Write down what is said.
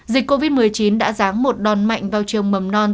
dịch covid một mươi chín đã ráng một đòn mạnh vào trường mầm non